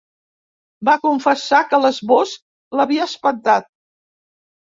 Va confessar que l'esbós l'havia espantat.